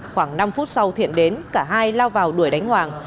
khoảng năm phút sau thiện đến cả hai lao vào đuổi đánh hoàng